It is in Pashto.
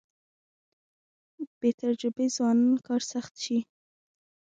بې تجربې ځوانان کار سخت شي.